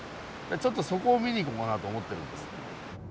ちょっとそこを見に行こうかなと思ってるんです。